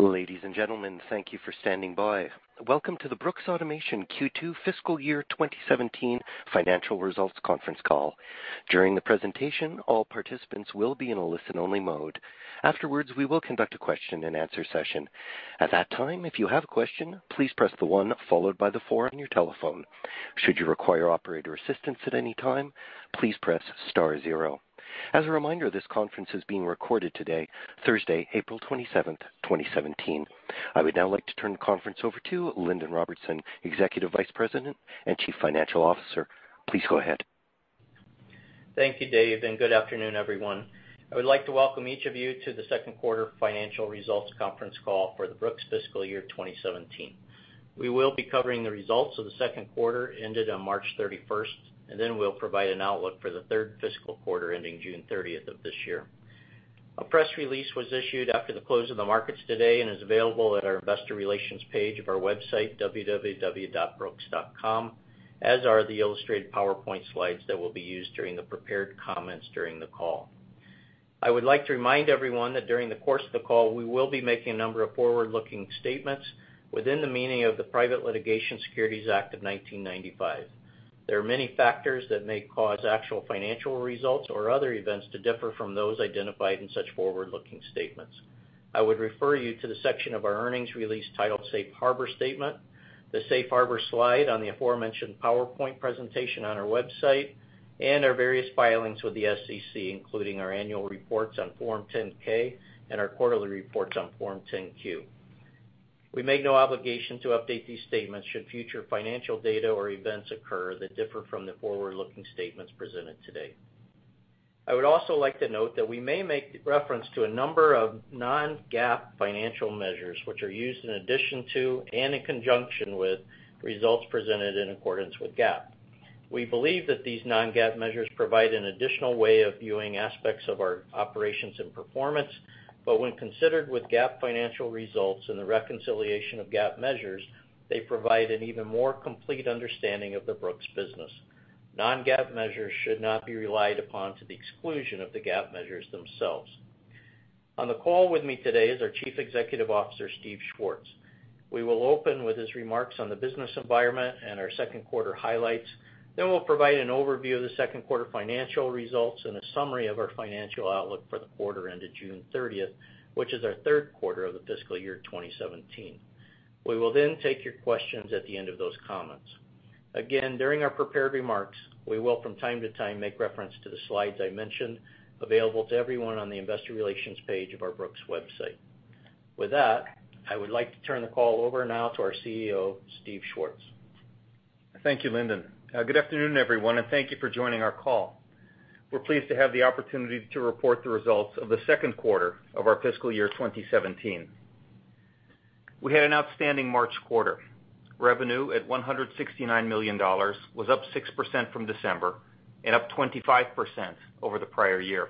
Ladies and gentlemen, thank you for standing by. Welcome to the Brooks Automation Q2 fiscal year 2017 financial results conference call. During the presentation, all participants will be in a listen-only mode. Afterwards, we will conduct a question and answer session. At that time, if you have a question, please press the one followed by the four on your telephone. Should you require operator assistance at any time, please press star zero. As a reminder, this conference is being recorded today, Thursday, April 27th, 2017. I would now like to turn the conference over to Lindon Robertson, Executive Vice President and Chief Financial Officer. Please go ahead. Thank you, Dave, and good afternoon, everyone. I would like to welcome each of you to the second quarter financial results conference call for the Brooks fiscal year 2017. We will be covering the results of the second quarter ended on March 31st, and then we'll provide an outlook for the third fiscal quarter ending June 30th of this year. A press release was issued after the close of the markets today and is available at our investor relations page of our website, www.brooks.com, as are the illustrated PowerPoint slides that will be used during the prepared comments during the call. I would like to remind everyone that during the course of the call, we will be making a number of forward-looking statements within the meaning of the Private Securities Litigation Reform Act of 1995. There are many factors that may cause actual financial results or other events to differ from those identified in such forward-looking statements. I would refer you to the section of our earnings release titled Safe Harbor Statement, the Safe Harbor slide on the aforementioned PowerPoint presentation on our website, and our various filings with the SEC, including our annual reports on Form 10-K and our quarterly reports on Form 10-Q. We make no obligation to update these statements should future financial data or events occur that differ from the forward-looking statements presented today. I would also like to note that we may make reference to a number of non-GAAP financial measures, which are used in addition to and in conjunction with results presented in accordance with GAAP. We believe that these non-GAAP measures provide an additional way of viewing aspects of our operations and performance, but when considered with GAAP financial results and the reconciliation of GAAP measures, they provide an even more complete understanding of the Brooks business. Non-GAAP measures should not be relied upon to the exclusion of the GAAP measures themselves. On the call with me today is our Chief Executive Officer, Steve Schwartz. We will open with his remarks on the business environment and our second quarter highlights. We'll provide an overview of the second quarter financial results and a summary of our financial outlook for the quarter ended June 30th, which is our third quarter of the fiscal year 2017. We will then take your questions at the end of those comments. Again, during our prepared remarks, we will from time to time make reference to the slides I mentioned, available to everyone on the investor relations page of our Brooks website. With that, I would like to turn the call over now to our CEO, Steve Schwartz. Thank you, Lindon. Good afternoon, everyone, and thank you for joining our call. We're pleased to have the opportunity to report the results of the second quarter of our fiscal year 2017. We had an outstanding March quarter. Revenue at $169 million was up 6% from December and up 25% over the prior year.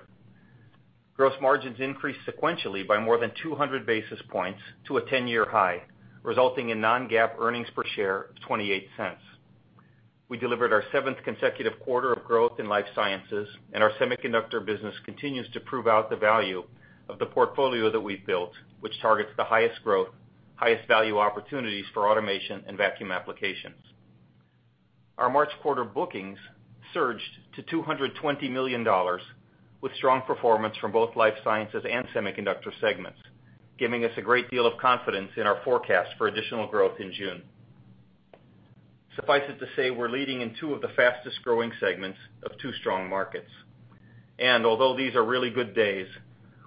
Gross margins increased sequentially by more than 200 basis points to a 10-year high, resulting in non-GAAP earnings per share of $0.28. We delivered our seventh consecutive quarter of growth in Life Sciences. Our semiconductor business continues to prove out the value of the portfolio that we've built, which targets the highest growth, highest value opportunities for automation and vacuum applications. Our March quarter bookings surged to $220 million with strong performance from both Life Sciences and Semiconductor segments, giving us a great deal of confidence in our forecast for additional growth in June. Suffice it to say, we're leading in two of the fastest-growing segments of two strong markets. Although these are really good days,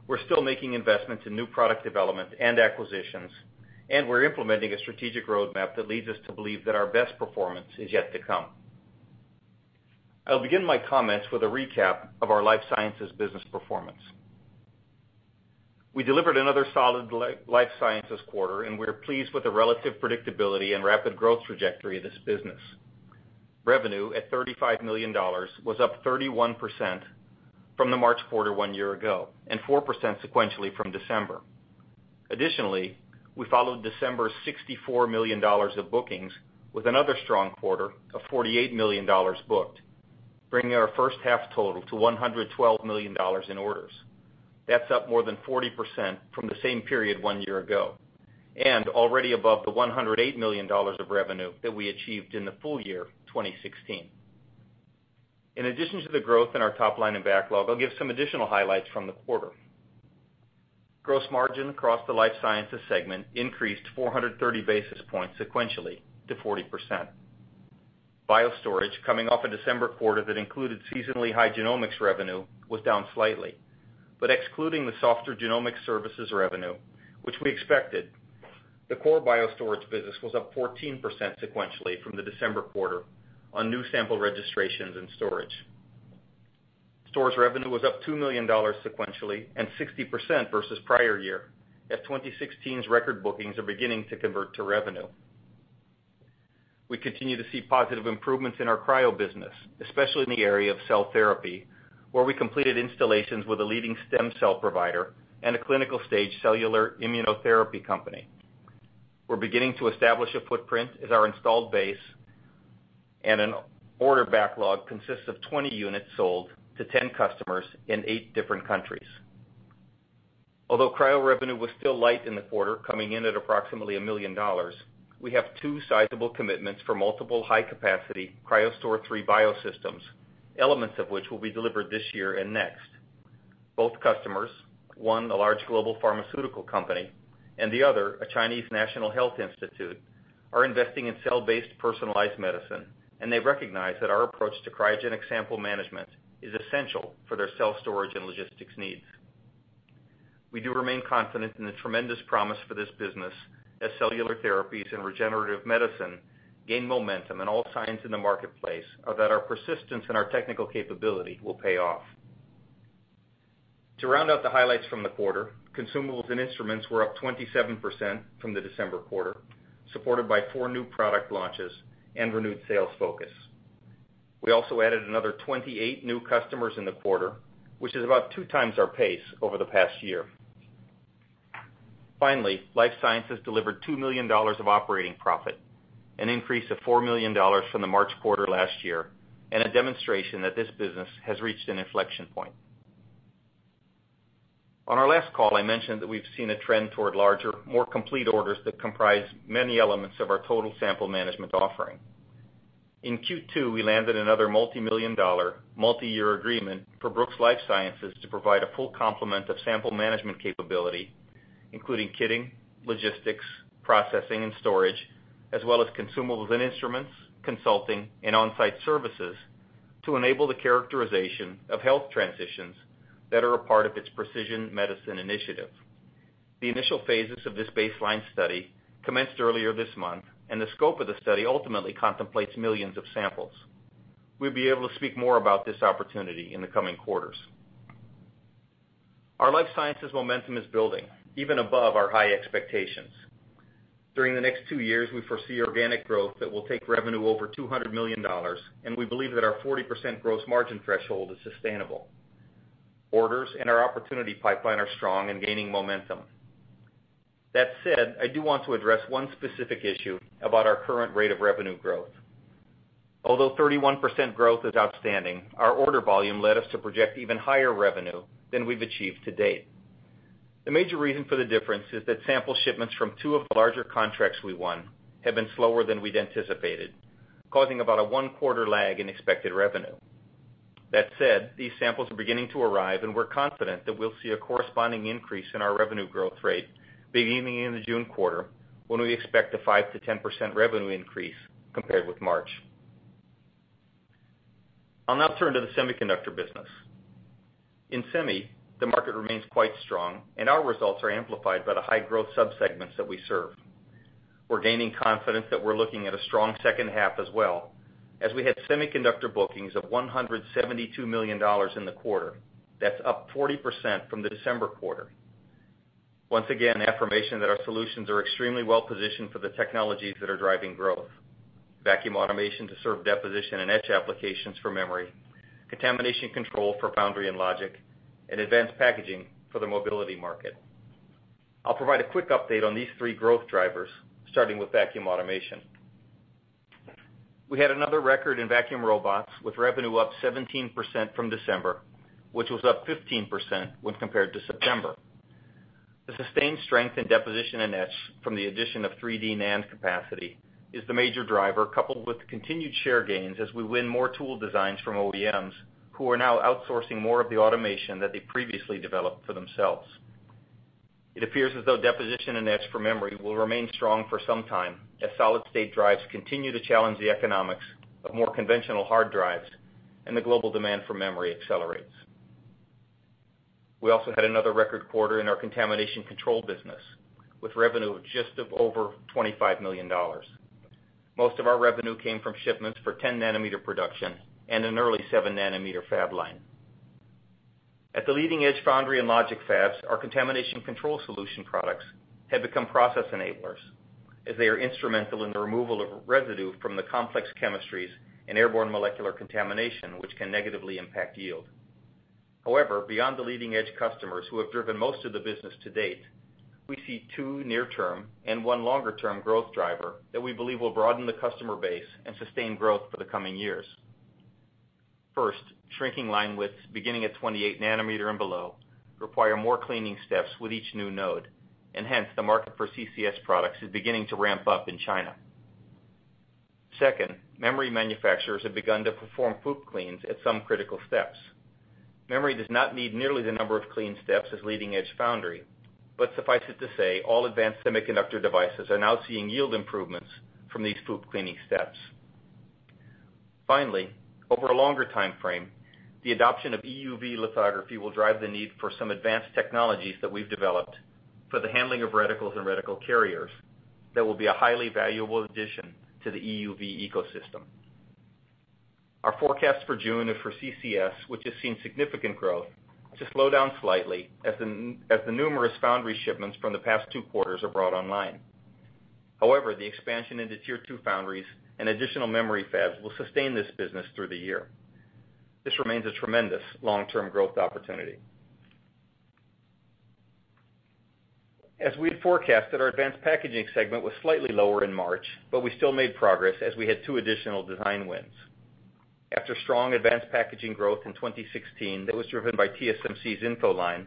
we're still making investments in new product development and acquisitions, and we're implementing a strategic roadmap that leads us to believe that our best performance is yet to come. I'll begin my comments with a recap of our Life Sciences business performance. We delivered another solid Life Sciences quarter, and we're pleased with the relative predictability and rapid growth trajectory of this business. Revenue at $35 million was up 31% from the March quarter one year ago and 4% sequentially from December. Additionally, we followed December's $64 million of bookings with another strong quarter of $48 million booked, bringing our first half total to $112 million in orders. That's up more than 40% from the same period one year ago and already above the $108 million of revenue that we achieved in the full year 2016. In addition to the growth in our top line and backlog, I'll give some additional highlights from the quarter. Gross margin across the Life Sciences segment increased 430 basis points sequentially to 40%. BioStorage, coming off a December quarter that included seasonally high genomics revenue, was down slightly. Excluding the softer genomic services revenue, which we expected, the core BioStorage business was up 14% sequentially from the December quarter on new sample registrations and storage. Storage revenue was up $2 million sequentially and 60% versus prior year as 2016's record bookings are beginning to convert to revenue. We continue to see positive improvements in our Cryo business, especially in the area of cell therapy, where we completed installations with a leading stem cell provider and a clinical stage cellular immunotherapy company. We are beginning to establish a footprint as our installed base and an order backlog consists of 20 units sold to 10 customers in eight different countries. Although Cryo revenue was still light in the quarter, coming in at approximately $1 million, we have two sizable commitments for multiple high-capacity CryoStor 3 Bio systems, elements of which will be delivered this year and next. Both customers, one, a large global pharmaceutical company, and the other, a Chinese national health institute, are investing in cell-based personalized medicine, and they recognize that our approach to cryogenic sample management is essential for their cell storage and logistics needs. We do remain confident in the tremendous promise for this business as cellular therapies and regenerative medicine gain momentum, and all signs in the marketplace are that our persistence and our technical capability will pay off. To round out the highlights from the quarter, consumables and instruments were up 27% from the December quarter, supported by four new product launches and renewed sales focus. We also added another 28 new customers in the quarter, which is about two times our pace over the past year. Finally, Life Sciences delivered $2 million of operating profit, an increase of $4 million from the March quarter last year, and a demonstration that this business has reached an inflection point. On our last call, I mentioned that we have seen a trend toward larger, more complete orders that comprise many elements of our total sample management offering. In Q2, we landed another multi-million dollar, multi-year agreement for Brooks Life Sciences to provide a full complement of sample management capability, including kitting, logistics, processing, and storage, as well as consumables and instruments, consulting, and on-site services to enable the characterization of health transitions that are a part of its precision medicine initiative. The initial phases of this baseline study commenced earlier this month, and the scope of the study ultimately contemplates millions of samples. We will be able to speak more about this opportunity in the coming quarters. Our Life Sciences momentum is building, even above our high expectations. During the next two years, we foresee organic growth that will take revenue over $200 million, and we believe that our 40% gross margin threshold is sustainable. Orders in our opportunity pipeline are strong and gaining momentum. That said, I do want to address one specific issue about our current rate of revenue growth. Although 31% growth is outstanding, our order volume led us to project even higher revenue than we have achieved to date. The major reason for the difference is that sample shipments from two of the larger contracts we won have been slower than we had anticipated, causing about a one-quarter lag in expected revenue. That said, these samples are beginning to arrive, and we are confident that we will see a corresponding increase in our revenue growth rate beginning in the June quarter when we expect a 5%-10% revenue increase compared with March. I will now turn to the semiconductor business. In semi, the market remains quite strong, and our results are amplified by the high-growth subsegments that we serve. We're gaining confidence that we're looking at a strong second half as well, as we had semiconductor bookings of $172 million in the quarter. That's up 40% from the December quarter. Once again, affirmation that our solutions are extremely well-positioned for the technologies that are driving growth. Vacuum automation to serve deposition and etch applications for memory, contamination control for foundry and logic, and advanced packaging for the mobility market. I'll provide a quick update on these three growth drivers, starting with vacuum automation. We had another record in vacuum robots, with revenue up 17% from December, which was up 15% when compared to September. The sustained strength in deposition and etch from the addition of 3D NAND capacity is the major driver, coupled with continued share gains as we win more tool designs from OEMs, who are now outsourcing more of the automation that they previously developed for themselves. It appears as though deposition and etch for memory will remain strong for some time, as solid-state drives continue to challenge the economics of more conventional hard drives and the global demand for memory accelerates. We also had another record quarter in our contamination control business, with revenue of just over $25 million. Most of our revenue came from shipments for 10 nanometer production and an early 7 nanometer fab line. At the leading edge foundry and logic fabs, our contamination control solution products have become process enablers, as they are instrumental in the removal of residue from the complex chemistries and airborne molecular contamination, which can negatively impact yield. Beyond the leading edge customers who have driven most of the business to date, we see two near-term and one longer-term growth driver that we believe will broaden the customer base and sustain growth for the coming years. First, shrinking line widths beginning at 28 nanometer and below require more cleaning steps with each new node, hence, the market for CCS products is beginning to ramp up in China. Second, memory manufacturers have begun to perform FOUP cleans at some critical steps. Memory does not need nearly the number of clean steps as leading edge foundry, suffice it to say, all advanced semiconductor devices are now seeing yield improvements from these FOUP cleaning steps. Finally, over a longer timeframe, the adoption of EUV lithography will drive the need for some advanced technologies that we've developed for the handling of reticles and reticle carriers that will be a highly valuable addition to the EUV ecosystem. Our forecast for June and for CCS, which has seen significant growth, to slow down slightly as the numerous foundry shipments from the past two quarters are brought online. The expansion into tier 2 foundries and additional memory fabs will sustain this business through the year. This remains a tremendous long-term growth opportunity. As we had forecasted, our advanced packaging segment was slightly lower in March, we still made progress as we had two additional design wins. After strong advanced packaging growth in 2016 that was driven by TSMC's InFO line,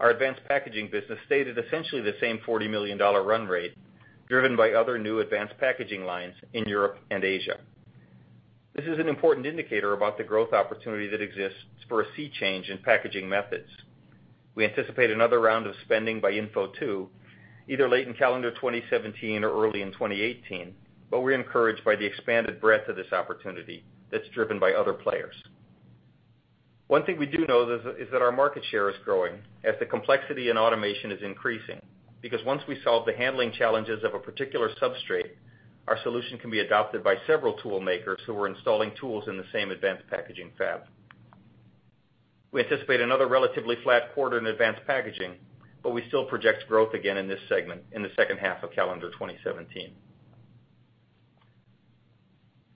our advanced packaging business stayed at essentially the same $40 million run rate, driven by other new advanced packaging lines in Europe and Asia. This is an important indicator about the growth opportunity that exists for a sea change in packaging methods. We anticipate another round of spending by InFO 2, either late in calendar 2017 or early in 2018, we're encouraged by the expanded breadth of this opportunity that's driven by other players. One thing we do know is that our market share is growing as the complexity in automation is increasing, because once we solve the handling challenges of a particular substrate, our solution can be adopted by several tool makers who are installing tools in the same advanced packaging fab. We anticipate another relatively flat quarter in advanced packaging, but we still project growth again in this segment in the second half of calendar 2017.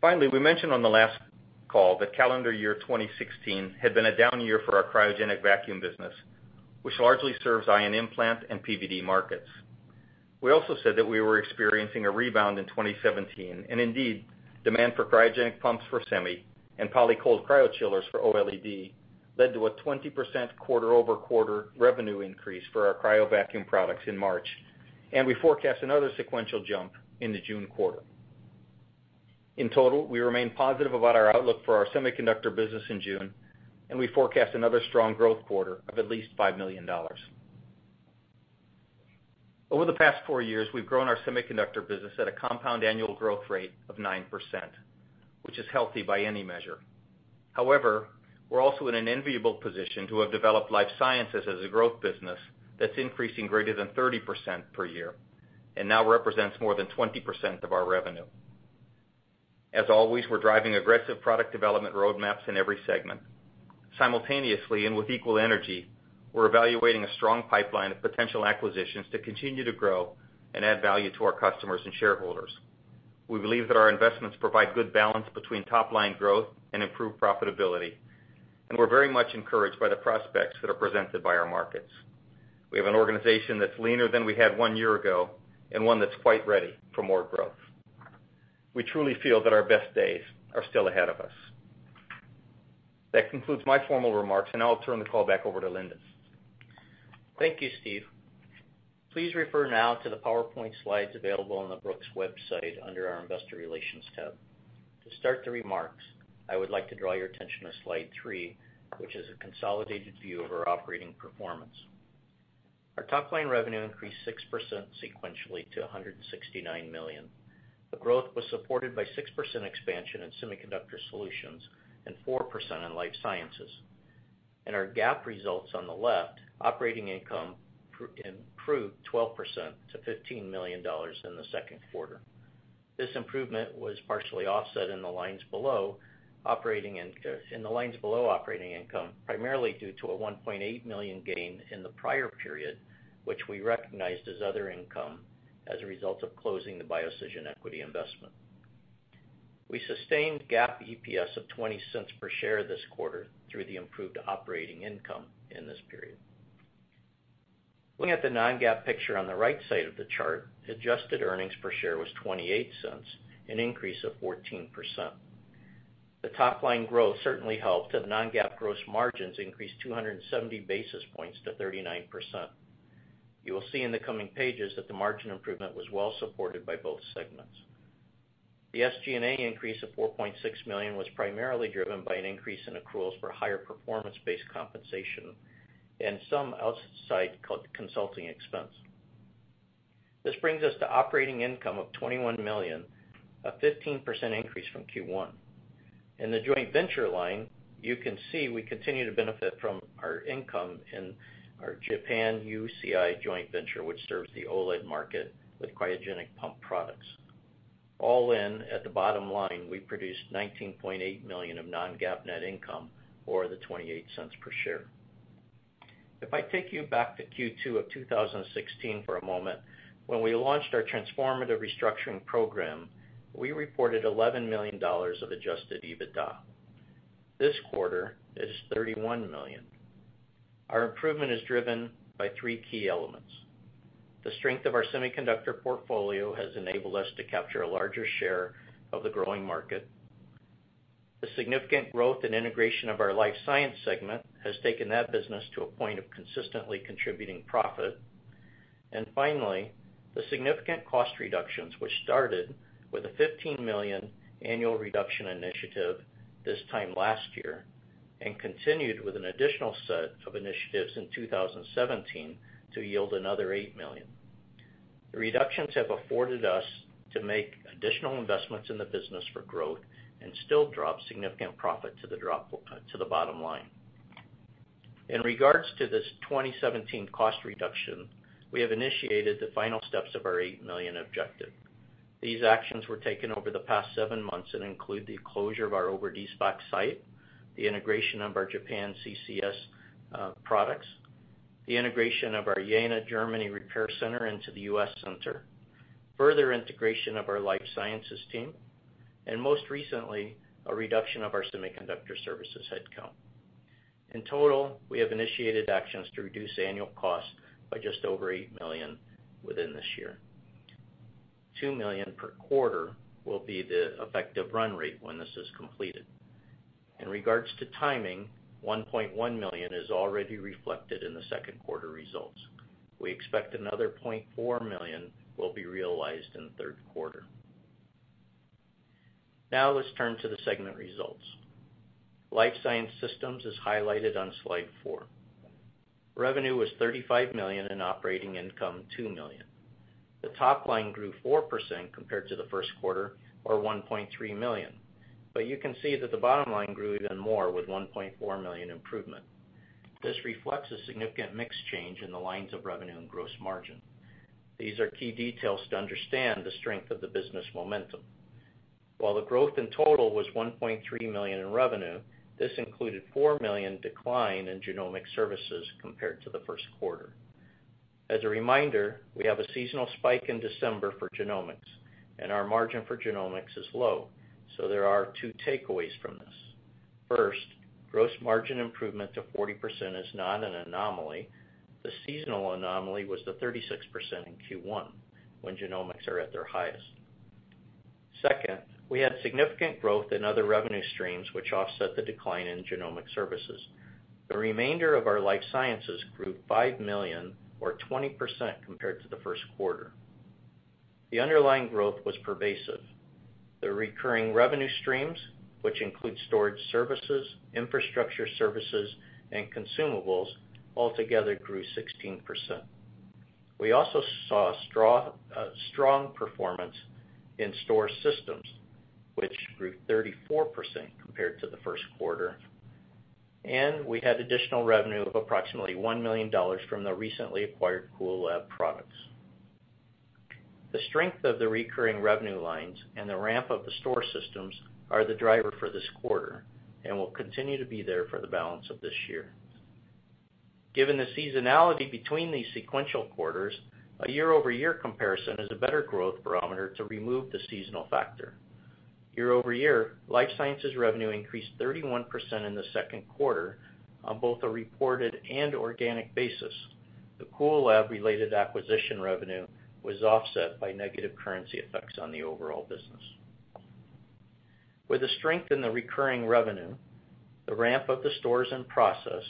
Finally, we mentioned on the last call that calendar year 2016 had been a down year for our cryogenic vacuum business, which largely serves ion implant and PVD markets. We also said that we were experiencing a rebound in 2017, and indeed, demand for cryogenic pumps for semi and Polycold cryo chillers for OLED led to a 20% quarter-over-quarter revenue increase for our cryo vacuum products in March. We forecast another sequential jump in the June quarter. In total, we remain positive about our outlook for our semiconductor business in June, and we forecast another strong growth quarter of at least $5 million. Over the past four years, we've grown our semiconductor business at a compound annual growth rate of 9%, which is healthy by any measure. We're also in an enviable position to have developed Life Sciences as a growth business that's increasing greater than 30% per year and now represents more than 20% of our revenue. As always, we're driving aggressive product development roadmaps in every segment. Simultaneously, and with equal energy, we're evaluating a strong pipeline of potential acquisitions to continue to grow and add value to our customers and shareholders. We believe that our investments provide good balance between top-line growth and improved profitability, and we're very much encouraged by the prospects that are presented by our markets. We have an organization that's leaner than we had one year ago and one that's quite ready for more growth. We truly feel that our best days are still ahead of us. That concludes my formal remarks, and I'll turn the call back over to Lindon. Thank you, Steve. Please refer now to the PowerPoint slides available on the Brooks website under our investor relations tab. To start the remarks, I would like to draw your attention to slide three, which is a consolidated view of our operating performance. Our top-line revenue increased 6% sequentially to $169 million. The growth was supported by 6% expansion in semiconductor solutions and 4% in Life Sciences. In our GAAP results on the left, operating income improved 12% to $15 million in the second quarter. This improvement was partially offset in the lines below operating income, primarily due to a $1.8 million gain in the prior period, which we recognized as other income as a result of closing the BioCision equity investment. We sustained GAAP EPS of $0.20 per share this quarter through the improved operating income in this period. Looking at the non-GAAP picture on the right side of the chart, adjusted earnings per share was $0.28, an increase of 14%. The top-line growth certainly helped, as non-GAAP gross margins increased 270 basis points to 39%. You will see in the coming pages that the margin improvement was well supported by both segments. The SG&A increase of $4.6 million was primarily driven by an increase in accruals for higher performance-based compensation and some outside consulting expense. This brings us to operating income of $21 million, a 15% increase from Q1. In the joint venture line, you can see we continue to benefit from our income in our Japan UCI joint venture, which serves the OLED market with cryogenic pump products. All in, at the bottom line, we produced $19.8 million of non-GAAP net income, or the $0.28 per share. If I take you back to Q2 of 2016 for a moment, when we launched our transformative restructuring program, we reported $11 million of adjusted EBITDA. This quarter, it is $31 million. Our improvement is driven by three key elements. The strength of our semiconductor portfolio has enabled us to capture a larger share of the growing market. The significant growth and integration of our life science segment has taken that business to a point of consistently contributing profit. Finally, the significant cost reductions, which started with a $15 million annual reduction initiative this time last year and continued with an additional set of initiatives in 2017 to yield another $8 million. The reductions have afforded us to make additional investments in the business for growth and still drop significant profit to the bottom line. In regards to this 2017 cost reduction, we have initiated the final steps of our $8 million objective. These actions were taken over the past seven months and include the closure of our Oberdiessbach site, the integration of our Japan CCS products, the integration of our Jena, Germany repair center into the U.S. center, further integration of our Life Sciences team, and most recently, a reduction of our semiconductor services headcount. In total, we have initiated actions to reduce annual costs by just over $8 million within this year. $2 million per quarter will be the effective run rate when this is completed. In regards to timing, $1.1 million is already reflected in the second quarter results. We expect another $0.4 million will be realized in the third quarter. Let's turn to the segment results. Life science systems is highlighted on slide four. Revenue was $35 million and operating income $2 million. The top line grew 4% compared to the first quarter or $1.3 million. You can see that the bottom line grew even more with $1.4 million improvement. This reflects a significant mix change in the lines of revenue and gross margin. These are key details to understand the strength of the business momentum. While the growth in total was $1.3 million in revenue, this included $4 million decline in genomic services compared to the first quarter. As a reminder, we have a seasonal spike in December for genomics and our margin for genomics is low, there are two takeaways from this. First, gross margin improvement to 40% is not an anomaly. The seasonal anomaly was the 36% in Q1 when genomics are at their highest. We had significant growth in other revenue streams which offset the decline in genomic services. The remainder of our Life Sciences grew $5 million or 20% compared to the first quarter. The underlying growth was pervasive. The recurring revenue streams, which include storage services, infrastructure services, and consumables altogether grew 16%. We also saw a strong performance in store systems which grew 34% compared to the first quarter, and we had additional revenue of approximately $1 million from the recently acquired Cool Lab products. The strength of the recurring revenue lines and the ramp of the store systems are the driver for this quarter and will continue to be there for the balance of this year. Given the seasonality between these sequential quarters, a year-over-year comparison is a better growth barometer to remove the seasonal factor. Year-over-year Life Sciences revenue increased 31% in the second quarter on both a reported and organic basis. The Cool Lab related acquisition revenue was offset by negative currency effects on the overall business. With the strength in the recurring revenue, the ramp of the stores and process,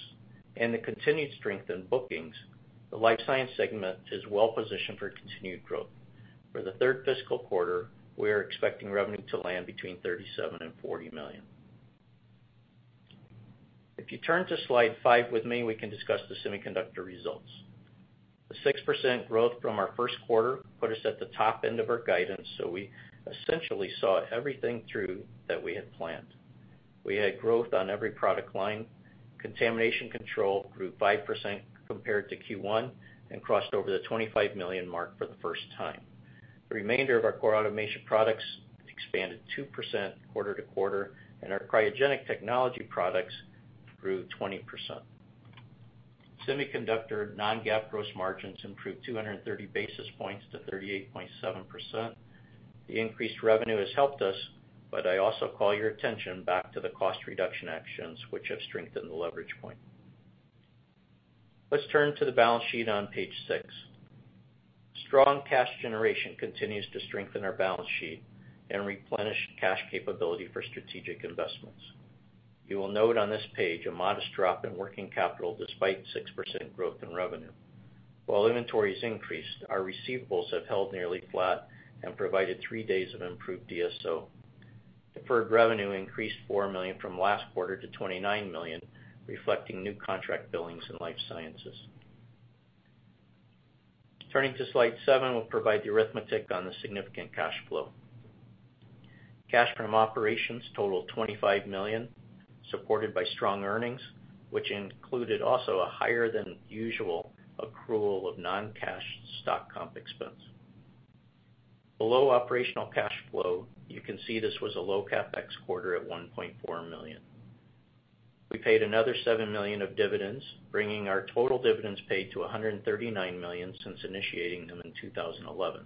and the continued strength in bookings, the life science segment is well positioned for continued growth. For the third fiscal quarter, we are expecting revenue to land between $37 million and $40 million. If you turn to slide five with me, we can discuss the semiconductor results. We essentially saw everything through that we had planned. We had growth on every product line. Contamination control grew 5% compared to Q1 and crossed over the $25 million mark for the first time. The remainder of our core automation products expanded 2% quarter-to-quarter, and our cryogenic technology products grew 20%. Semiconductor non-GAAP gross margins improved 230 basis points to 38.7%. I also call your attention back to the cost reduction actions which have strengthened the leverage point. Let's turn to the balance sheet on page six. Strong cash generation continues to strengthen our balance sheet and replenish cash capability for strategic investments. You will note on this page a modest drop in working capital despite 6% growth in revenue. While inventories increased, our receivables have held nearly flat and provided three days of improved DSO. Deferred revenue increased $4 million from last quarter to $29 million, reflecting new contract billings in Life Sciences. Turning to slide seven will provide the arithmetic on the significant cash flow. Cash from operations totaled $25 million, supported by strong earnings which included also a higher than usual accrual of non-cash stock comp expense. Below operational cash flow you can see this was a low CapEx quarter at $1.4 million. We paid another $7 million of dividends, bringing our total dividends paid to $139 million since initiating them in 2011.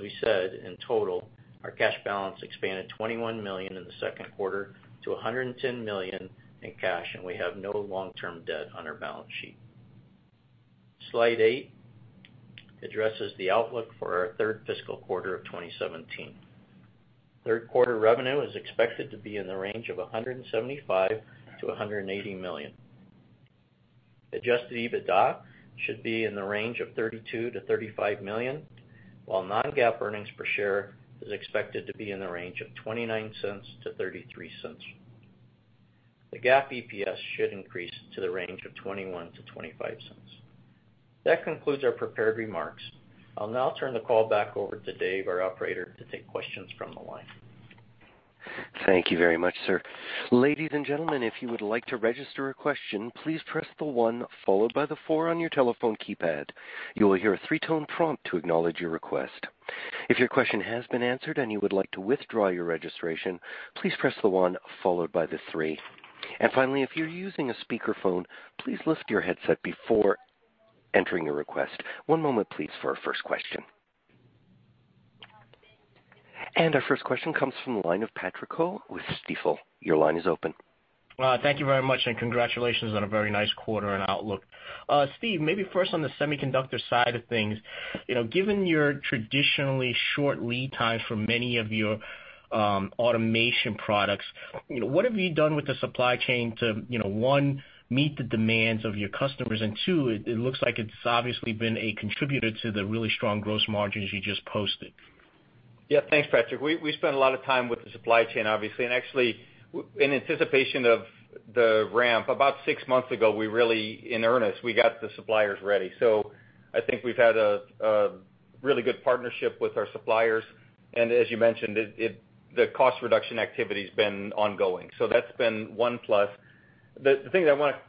We said in total, our cash balance expanded $21 million in the second quarter to $110 million in cash and we have no long-term debt on our balance sheet. Slide eight addresses the outlook for our third fiscal quarter of 2017. Third quarter revenue is expected to be in the range of $175 million-$180 million. Adjusted EBITDA should be in the range of $32 million-$35 million. While non-GAAP earnings per share is expected to be in the range of $0.29-$0.33. The GAAP EPS should increase to the range of $0.21-$0.25. That concludes our prepared remarks. I will now turn the call back over to Dave, our operator, to take questions from the line. Thank you very much, sir. Ladies and gentlemen, if you would like to register a question, please press the one followed by the four on your telephone keypad. You will hear a three-tone prompt to acknowledge your request. If your question has been answered and you would like to withdraw your registration, please press the one followed by the three. Finally, if you are using a speakerphone, please lift your headset before entering a request. One moment please for our first question. Our first question comes from the line of Patrick Ho with Stifel. Your line is open. Thank you very much. Congratulations on a very nice quarter and outlook. Steve, maybe first on the semiconductor side of things. Given your traditionally short lead times for many of your automation products, what have you done with the supply chain to, one, meet the demands of your customers, and two, it looks like it has obviously been a contributor to the really strong gross margins you just posted. Yeah. Thanks, Patrick. We spent a lot of time with the supply chain, obviously. Actually, in anticipation of the ramp, about six months ago, we really, in earnest, we got the suppliers ready. I think we've had a really good partnership with our suppliers. As you mentioned, the cost reduction activity's been ongoing. That's been one plus. The thing that I want to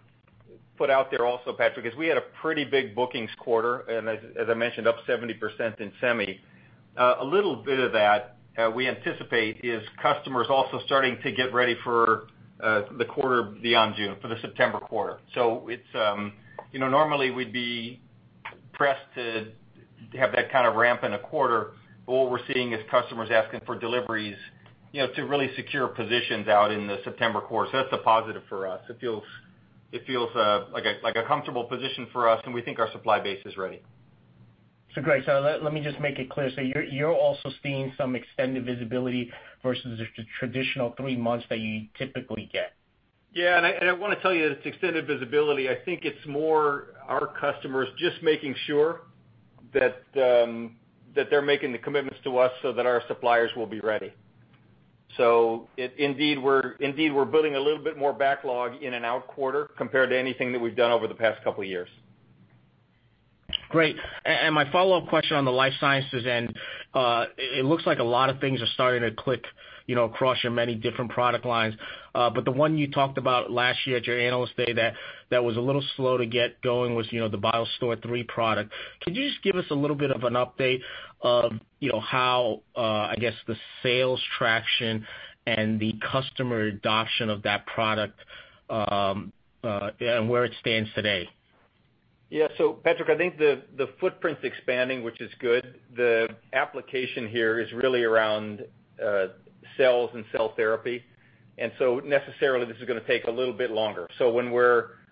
put out there also, Patrick, is we had a pretty big bookings quarter, as I mentioned, up 70% in semi. A little bit of that, we anticipate, is customers also starting to get ready for the quarter beyond June, for the September quarter. Normally, we'd be pressed to have that kind of ramp in a quarter, but what we're seeing is customers asking for deliveries to really secure positions out in the September quarter. That's a positive for us. It feels like a comfortable position for us, and we think our supply base is ready. Great. Let me just make it clear. You're also seeing some extended visibility versus the traditional three months that you typically get. Yeah. I want to tell you, this extended visibility, I think it's more our customers just making sure that they're making the commitments to us so that our suppliers will be ready. Indeed, we're building a little bit more backlog in an out quarter compared to anything that we've done over the past couple of years. Great. My follow-up question on the Life Sciences end. It looks like a lot of things are starting to click across your many different product lines. The one you talked about last year at your analyst day that was a little slow to get going was the BioStore III product. Could you just give us a little bit of an update of how, I guess the sales traction and the customer adoption of that product, and where it stands today? Patrick, I think the footprint's expanding, which is good. The application here is really around cells and cell therapy, necessarily, this is going to take a little bit longer.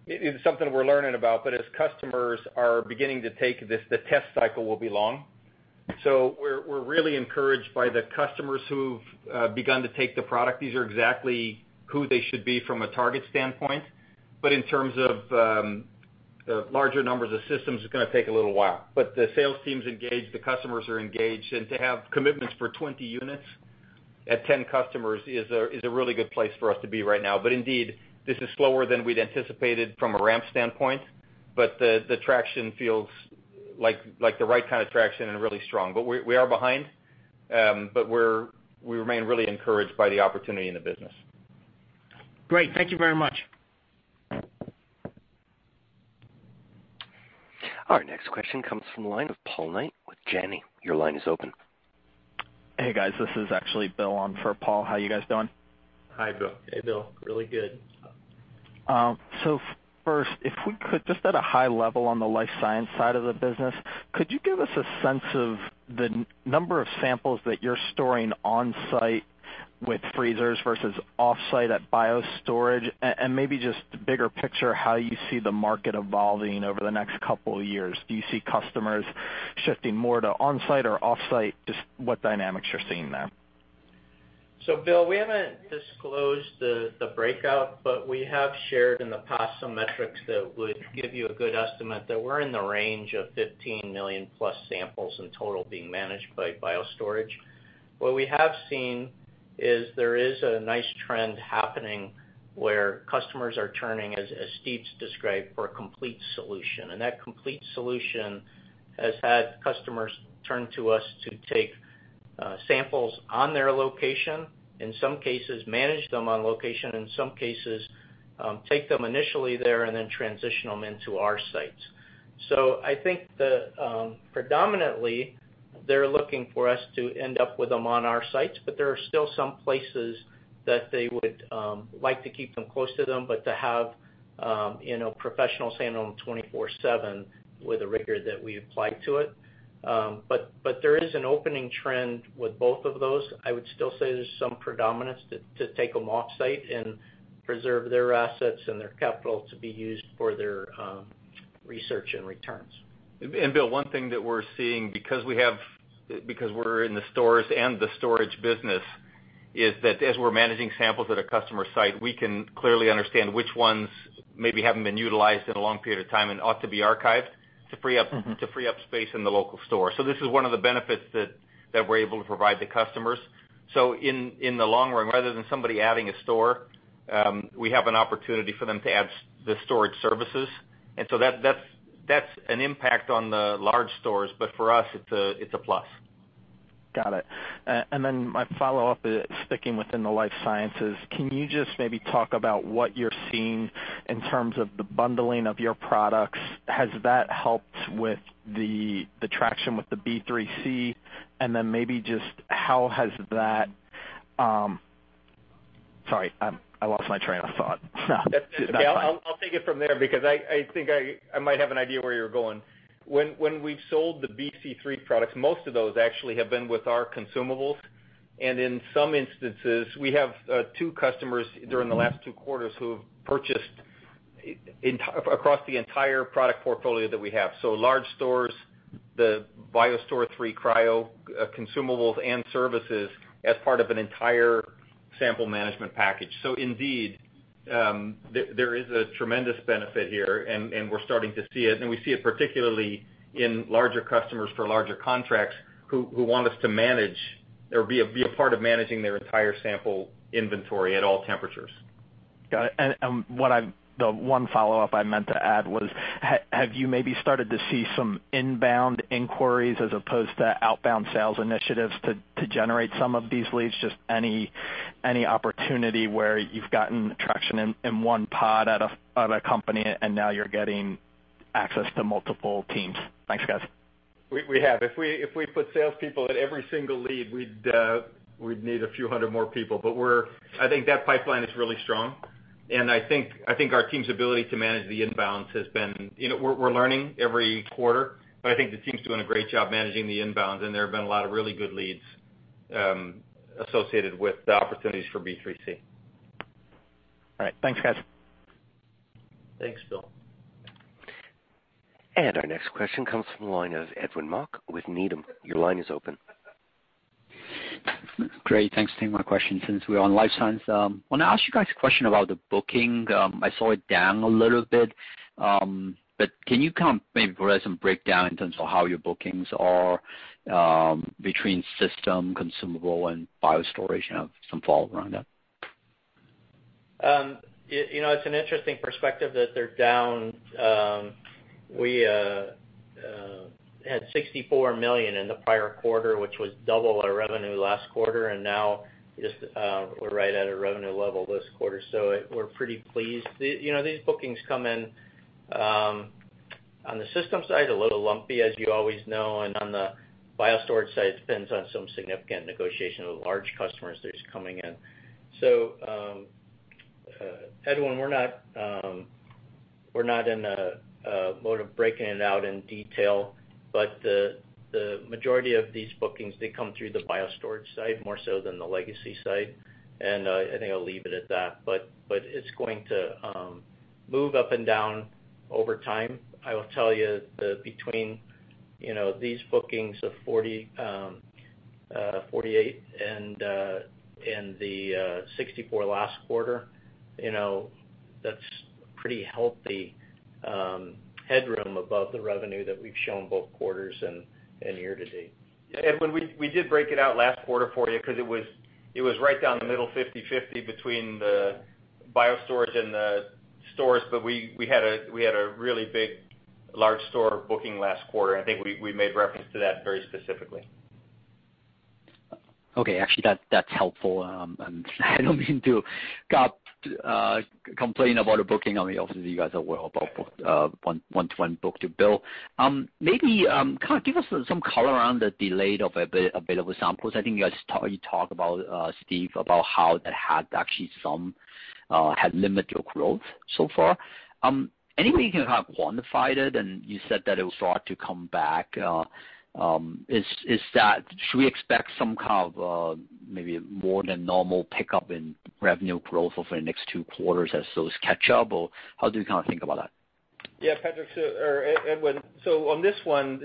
It's something we're learning about, but as customers are beginning to take this, the test cycle will be long. We're really encouraged by the customers who've begun to take the product. These are exactly who they should be from a target standpoint. In terms of larger numbers of systems, it's going to take a little while. The sales team's engaged, the customers are engaged, and to have commitments for 20 units at 10 customers is a really good place for us to be right now. Indeed, this is slower than we'd anticipated from a ramp standpoint, but the traction feels like the right kind of traction and really strong. We are behind, but we remain really encouraged by the opportunity in the business. Great. Thank you very much. Our next question comes from the line of Paul Knight with Janney. Your line is open. Hey, guys. This is actually Bill on for Paul. How you guys doing? Hi, Bill. Hey, Bill. Really good. First, if we could, just at a high level on the life science side of the business, could you give us a sense of the number of samples that you're storing on-site with freezers versus off-site at BioStorage? Maybe just the bigger picture, how you see the market evolving over the next couple of years. Do you see customers shifting more to on-site or off-site? Just what dynamics you're seeing there. Bill, we haven't disclosed the breakout, but we have shared in the past some metrics that would give you a good estimate that we're in the range of 15 million plus samples in total being managed by BioStorage. What we have seen is there is a nice trend happening where customers are turning, as Steve's described, for a complete solution. That complete solution has had customers turn to us to take samples on their location, in some cases manage them on location, and in some cases, take them initially there and then transition them into our sites. I think predominantly, they're looking for us to end up with them on our sites, but there are still some places that they would like to keep them close to them, but to have professionals handling them 24/7 with the rigor that we apply to it. There is an opening trend with both of those. I would still say there's some predominance to take them off-site and preserve their assets and their capital to be used for their research and returns. Bill, one thing that we're seeing, because we're in the storage business, is that as we're managing samples at a customer site, we can clearly understand which ones maybe haven't been utilized in a long period of time and ought to be archived to free up space in the local store. This is one of the benefits that we're able to provide the customers. In the long run, rather than somebody adding a store, we have an opportunity for them to add the storage services. That's an impact on the large stores, but for us, it's a plus. Got it. Then my follow-up is sticking within the Life Sciences. Can you just maybe talk about what you're seeing in terms of the bundling of your products? Has that helped with the traction with the B3C? Then maybe just how has that... Sorry, I lost my train of thought. That's okay. I'll take it from there because I think I might have an idea where you're going. When we've sold the B-III-C products, most of those actually have been with our consumables. In some instances, we have two customers during the last two quarters who have purchased across the entire product portfolio that we have. Large stores, the BioStore III Cryo consumables and services as part of an entire sample management package. Indeed, there is a tremendous benefit here and we're starting to see it, and we see it particularly in larger customers for larger contracts who want us to manage or be a part of managing their entire sample inventory at all temperatures. Got it. The one follow-up I meant to add was, have you maybe started to see some inbound inquiries as opposed to outbound sales initiatives to generate some of these leads? Just any opportunity where you've gotten traction in one pod at a company, and now you're getting access to multiple teams? Thanks, guys. We have. If we put salespeople at every single lead, we'd need a few hundred more people. I think that pipeline is really strong, and I think our team's ability to manage the inbounds. We're learning every quarter, I think the team's doing a great job managing the inbounds, and there have been a lot of really good leads, associated with the opportunities for B3C. All right. Thanks, guys. Thanks, Bill. Our next question comes from the line of Edwin Mok with Needham. Your line is open. Great. Thanks. Taking my question since we're on Life Sciences. I want to ask you guys a question about the booking. I saw it down a little bit. Can you maybe provide some breakdown in terms of how your bookings are, between system consumable and BioStorage, some follow around that? It's an interesting perspective that they're down. We had $64 million in the prior quarter, which was double our revenue last quarter, and now we're right at a revenue level this quarter. We're pretty pleased. These bookings come in, on the system side, a little lumpy, as you always know, and on the BioStorage side, it depends on some significant negotiation with large customers that's coming in. Edwin, we're not in a mode of breaking it out in detail, but the majority of these bookings, they come through the BioStorage site more so than the Legacy site. I think I'll leave it at that. It's going to move up and down over time. I will tell you that between these bookings of $48 and the $64 last quarter, that's pretty healthy headroom above the revenue that we've shown both quarters and year-to-date. Yeah, Edwin Mok, we did break it out last quarter for you because it was right down the middle, 50/50 between the BioStorage and the storage. We had a really big large store booking last quarter, and I think we made reference to that very specifically. Okay, actually, that's helpful. I don't mean to complain about a booking. Obviously, you guys are well above one to one book to bill. Maybe, give us some color around the delayed of available samples. I think you already talked about, Steve, about how that had actually limited your growth so far. Any way you can kind of quantify it? You said that it was thought to come back. Should we expect some kind of maybe more than normal pickup in revenue growth over the next two quarters as those catch up? Or how do you now think about that? Yeah, Edwin Mok. On this one,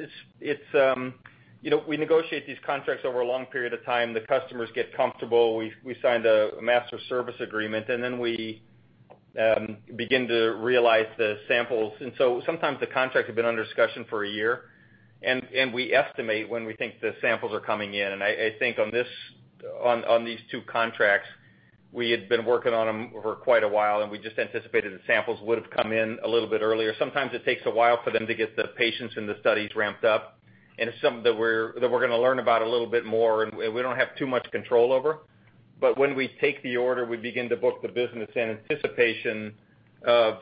we negotiate these contracts over a long period of time. The customers get comfortable. We signed a master service agreement, we begin to realize the samples. Sometimes the contracts have been under discussion for a year, we estimate when we think the samples are coming in. I think on these two contracts, we had been working on them for quite a while, we just anticipated the samples would've come in a little bit earlier. Sometimes it takes a while for them to get the patients and the studies ramped up, it's something that we're going to learn about a little bit more and we don't have too much control over. When we take the order, we begin to book the business in anticipation of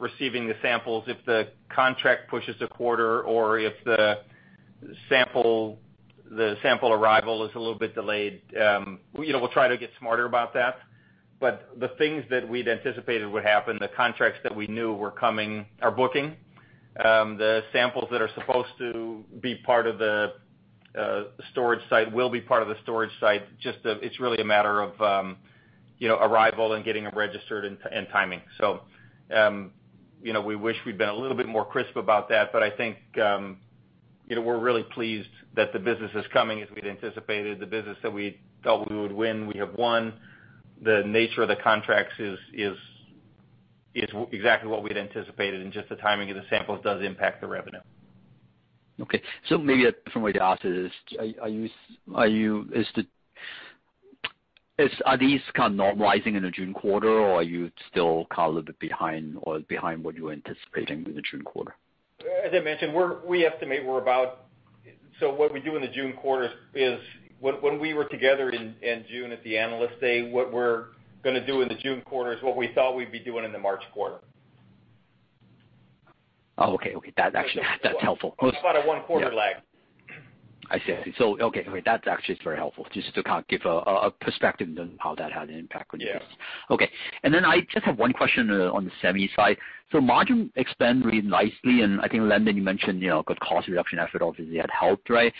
receiving the samples. If the contract pushes a quarter or if the sample arrival is a little bit delayed, we'll try to get smarter about that. The things that we'd anticipated would happen, the contracts that we knew were coming, are booking. The samples that are supposed to be part of the storage site will be part of the storage site. Just that it's really a matter of arrival and getting them registered and timing. We wish we'd been a little bit more crisp about that, I think, we're really pleased that the business is coming as we'd anticipated. The business that we felt we would win, we have won. The nature of the contracts is exactly what we'd anticipated, just the timing of the samples does impact the revenue. Okay. Maybe a different way to ask it is, are these kind of normalizing in the June quarter, or are you still kind of a little bit behind what you were anticipating with the June quarter? As I mentioned, what we do in the June quarter is, when we were together in June at the Analyst Day, what we're going to do in the June quarter is what we thought we'd be doing in the March quarter. Oh, okay. That's helpful. About a one quarter lag. I see. Okay, that's actually very helpful, just to give a perspective on how that had an impact on you. Yeah. Okay. Then I just have one question on the semi side. Margin expanded really nicely, and I think, Lindon, you mentioned good cost reduction effort obviously had helped, right?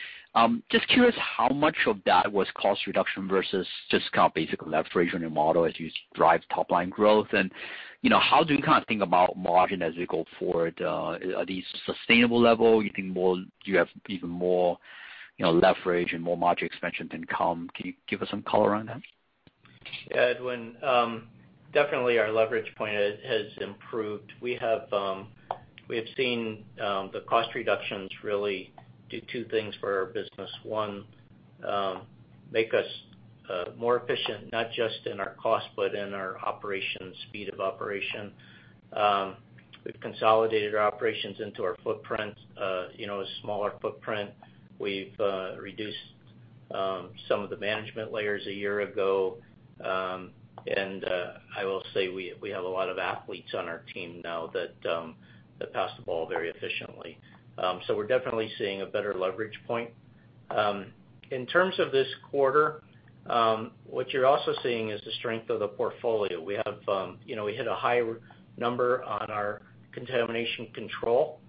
Just curious how much of that was cost reduction versus just basic leverage on your model as you drive top-line growth, and how do you think about margin as we go forward? Are these sustainable level? Do you have even more leverage and more margin expansion to come? Can you give us some color on that? Yeah, Edwin, definitely our leverage point has improved. We have seen the cost reductions really do two things for our business. One, make us more efficient, not just in our cost, but in our operations, speed of operation. We've consolidated our operations into our footprint, a smaller footprint. We've reduced some of the management layers a year ago. I will say, we have a lot of athletes on our team now that pass the ball very efficiently. We're definitely seeing a better leverage point. In terms of this quarter, what you're also seeing is the strength of the portfolio. We hit a high number on our contamination control.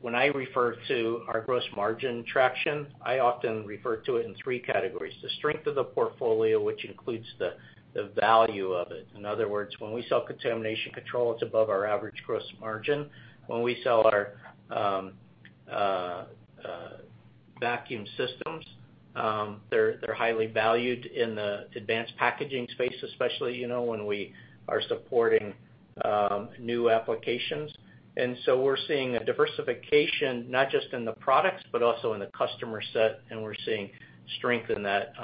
When I refer to our gross margin traction, I often refer to it in three categories, the strength of the portfolio, which includes the value of it. In other words, when we sell contamination control, it's above our average gross margin. When we sell our vacuum systems, they're highly valued in the advanced packaging space, especially when we are supporting new applications. We're seeing a diversification, not just in the products, but also in the customer set, and we're seeing strength in that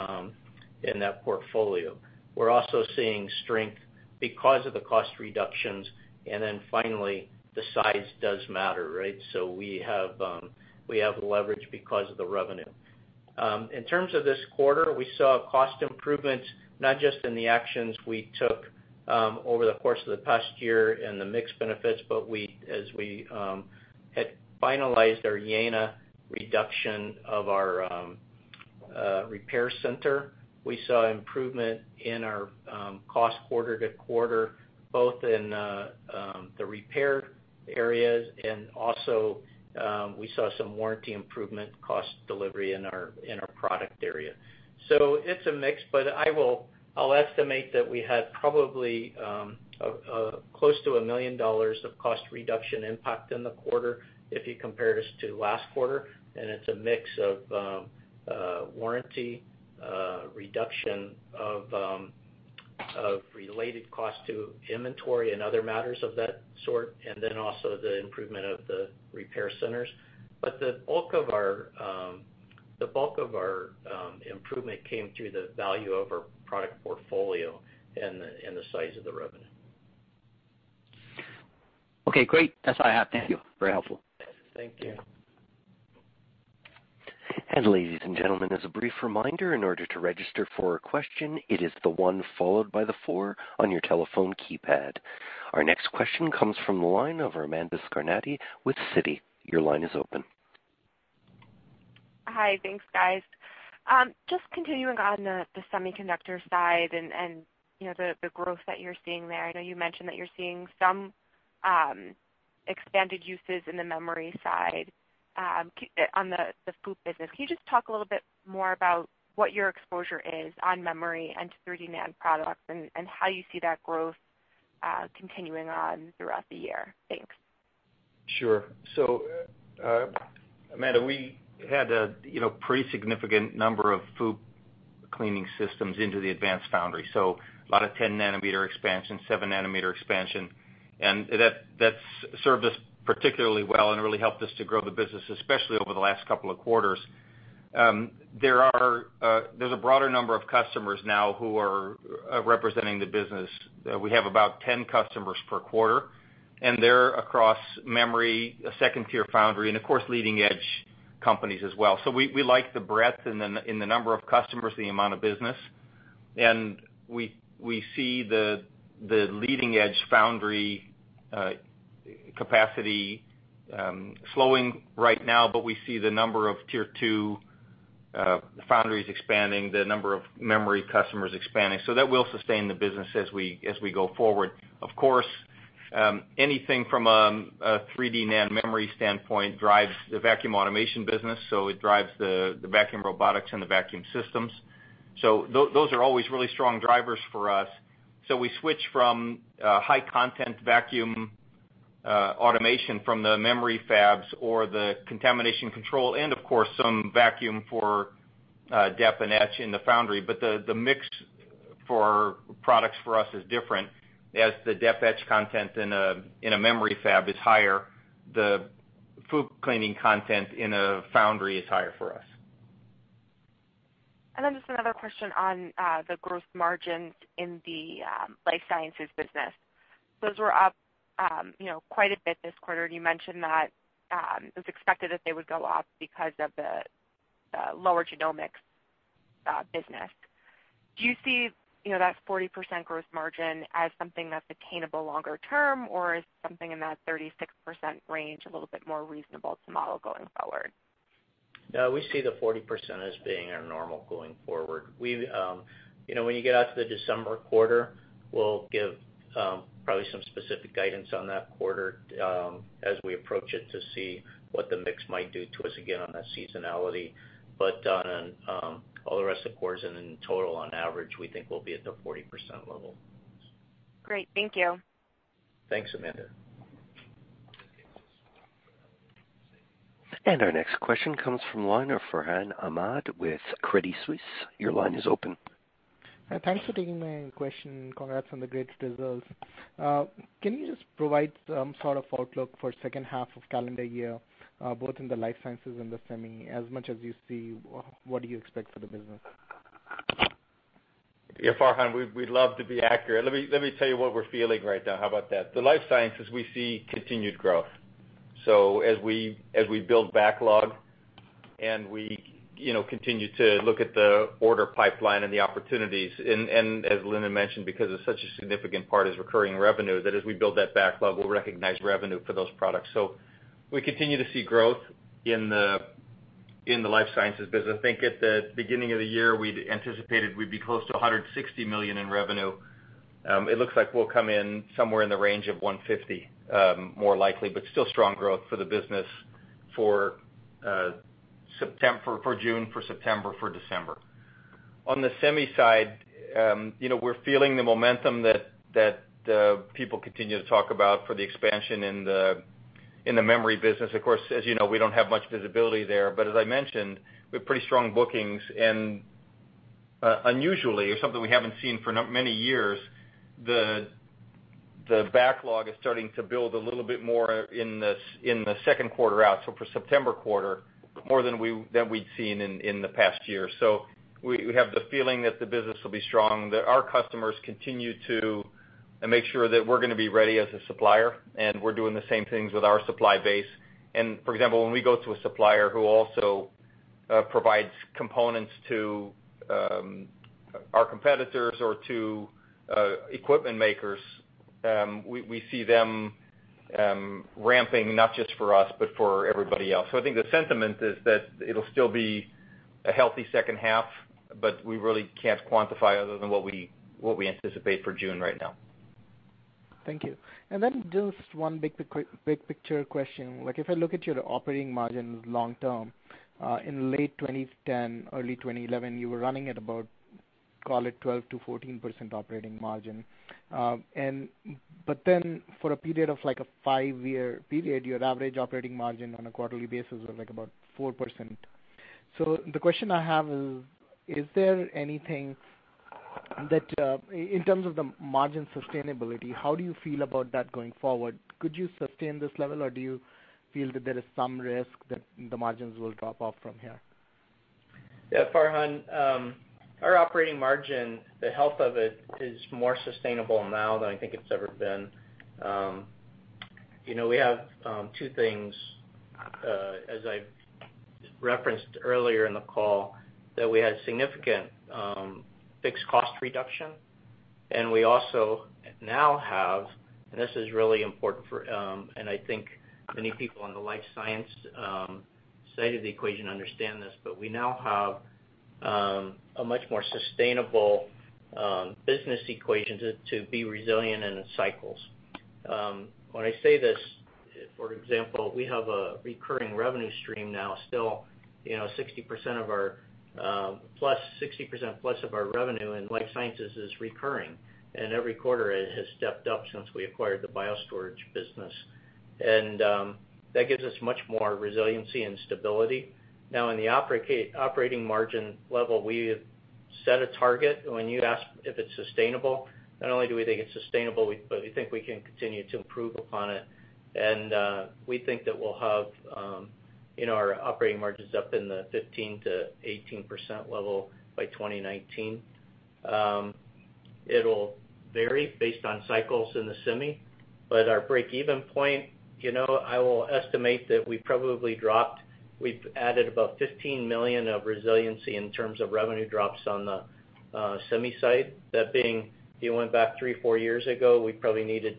portfolio. We're also seeing strength because of the cost reductions. Then finally, the size does matter, right? We have leverage because of the revenue. In terms of this quarter, we saw cost improvements, not just in the actions we took over the course of the past year and the mix benefits, but as we had finalized our Jena reduction of our repair center, we saw improvement in our cost quarter-to-quarter, both in the repair areas, and also, we saw some warranty improvement cost delivery in our product area. It's a mix, but I'll estimate that we had probably close to $1 million of cost reduction impact in the quarter if you compare us to last quarter, and it's a mix of warranty reduction of related cost to inventory and other matters of that sort, and then also the improvement of the repair centers. The bulk of our improvement came through the value of our product portfolio and the size of the revenue. Okay, great. That's all I have. Thank you. Very helpful. Thank you. Ladies and gentlemen, as a brief reminder, in order to register for a question, it is the 1 followed by the 4 on your telephone keypad. Our next question comes from the line of Amanda Scarnati with Citi. Your line is open. Hi, thanks, guys. Just continuing on the semiconductor side and the growth that you're seeing there. I know you mentioned that you're seeing some expanded uses in the memory side on the FOUP business. Can you just talk a little bit more about what your exposure is on memory and 3D NAND products, and how you see that growth continuing on throughout the year? Thanks. Sure. Amanda, we had a pretty significant number of FOUP cleaning systems into the advanced foundry, so a lot of 10 nanometer expansion, 7 nanometer expansion, and that's served us particularly well and really helped us to grow the business, especially over the last couple of quarters. There's a broader number of customers now who are representing the business. We have about 10 customers per quarter, and they're across memory, a tier 2 foundry, and of course, leading edge companies as well. We like the breadth in the number of customers, the amount of business. We see the leading edge foundry capacity slowing right now, but we see the number of tier 2 foundries expanding, the number of memory customers expanding. That will sustain the business as we go forward. Of course, anything from a 3D NAND memory standpoint drives the vacuum automation business, so it drives the vacuum robotics and the vacuum systems. Those are always really strong drivers for us. We switch from high content vacuum automation from the memory fabs or the contamination control, and of course, some vacuum for deposition and etch in the foundry. The mix for products for us is different. As the dep etch content in a memory fab is higher, the FOUP cleaning content in a foundry is higher for us. Just another question on the gross margins in the Life Sciences business. Those were up quite a bit this quarter, and you mentioned that it was expected that they would go up because of the lower genomics business. Do you see that 40% gross margin as something that's attainable longer term, or is something in that 36% range a little bit more reasonable to model going forward? No, we see the 40% as being our normal going forward. When you get out to the December quarter, we'll give probably some specific guidance on that quarter as we approach it to see what the mix might do to us again on that seasonality. On all the rest of the quarters and in total, on average, we think we'll be at the 40% level. Great. Thank you. Thanks, Amanda. Our next question comes from the line of Farhan Ahmad with Credit Suisse. Your line is open. Thanks for taking my question. Congrats on the great results. Can you just provide some sort of outlook for second half of calendar year, both in the Life Sciences and the semi, as much as you see, what do you expect for the business? Yeah, Farhan, we'd love to be accurate. Let me tell you what we're feeling right now. How about that? The Life Sciences, we see continued growth. As we build backlog and we continue to look at the order pipeline and the opportunities, and as Lindon mentioned, because it's such a significant part is recurring revenue, that as we build that backlog, we'll recognize revenue for those products. We continue to see growth in the Life Sciences business. I think at the beginning of the year, we'd anticipated we'd be close to $160 million in revenue. It looks like we'll come in somewhere in the range of $150 million, more likely, but still strong growth for the business for June, for September, for December. On the semi side, we're feeling the momentum that people continue to talk about for the expansion in the memory business. Of course, as you know, we don't have much visibility there, but as I mentioned, we have pretty strong bookings and unusually, or something we haven't seen for many years, the backlog is starting to build a little bit more in the second quarter out, for September quarter, more than we'd seen in the past year. We have the feeling that the business will be strong, that our customers continue to make sure that we're going to be ready as a supplier, and we're doing the same things with our supply base. For example, when we go to a supplier who also provides components to our competitors or to equipment makers, we see them ramping not just for us, but for everybody else. I think the sentiment is that it'll still be a healthy second half, but we really can't quantify other than what we anticipate for June right now. Thank you. Just one big picture question. If I look at your operating margin long term, in late 2010, early 2011, you were running at about, call it, 12%-14% operating margin. For a period of a 5-year period, your average operating margin on a quarterly basis was about 4%. The question I have is there anything that, in terms of the margin sustainability, how do you feel about that going forward? Could you sustain this level, or do you feel that there is some risk that the margins will drop off from here? Yeah, Farhan, our operating margin, the health of it is more sustainable now than I think it's ever been. We have two things, as I referenced earlier in the call, that we had significant fixed cost reduction. We also now have, this is really important for, I think many people on the life science side of the equation understand this, we now have a much more sustainable business equation to be resilient in the cycles. When I say this, for example, we have a recurring revenue stream now, still 60%+ of our revenue in Life Sciences is recurring, and every quarter it has stepped up since we acquired the BioStorage business. That gives us much more resiliency and stability. In the operating margin level, we set a target. When you ask if it's sustainable, not only do we think it's sustainable, we think we can continue to improve upon it. We think that we'll have our operating margins up in the 15%-18% level by 2019. It'll vary based on cycles in the semi, our break-even point, I will estimate that we probably dropped. We've added about $15 million of resiliency in terms of revenue drops on the semi side. That being, if you went back three, four years ago, we probably needed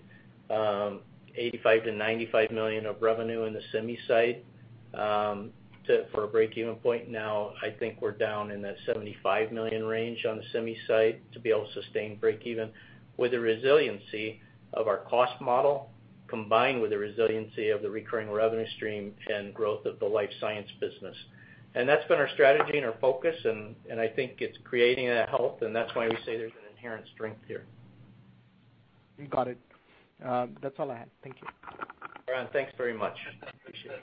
$85 million-$95 million of revenue in the semi side for a break-even point. I think we're down in that $75 million range on the semi side to be able to sustain break even with the resiliency of our cost model, combined with the resiliency of the recurring revenue stream and growth of the Life Sciences business. That's been our strategy and our focus, I think it's creating that health, that's why we say there's an inherent strength here. Got it. That's all I had. Thank you. Farhan, thanks very much. Appreciate it.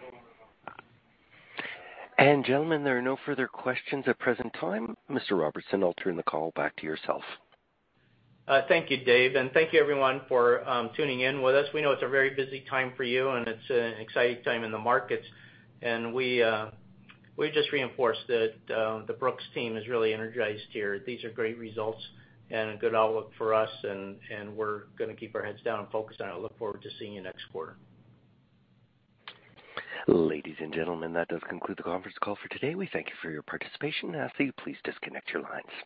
Gentlemen, there are no further questions at present time. Mr. Robertson, I'll turn the call back to yourself. Thank you, Dave, and thank you, everyone, for tuning in with us. We know it's a very busy time for you, and it's an exciting time in the markets, and we just reinforce that the Brooks team is really energized here. These are great results and a good outlook for us, and we're going to keep our heads down and focused, and I look forward to seeing you next quarter. Ladies and gentlemen, that does conclude the conference call for today. We thank you for your participation. I ask that you please disconnect your lines.